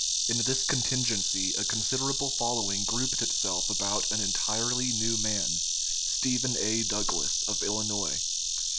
In this contingency, a considerable following grouped itself about an entirely new man, Stephen A. Douglas, of Illinois.